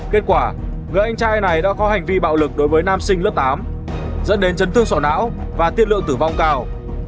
kết quả người anh trai này đã có hành vi bạo lực đối với nam sinh lớp tám dẫn đến chấn thương sỏ não và tiên lượng tử vong cao